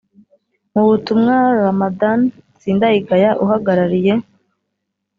Mu butumwa Ramadhan Sindayigaya uhagarariye